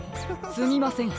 すみません